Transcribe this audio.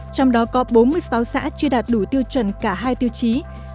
trong đó có bốn mươi sáu xã chưa đạt đủ tiêu chuẩn cả hai tiêu chí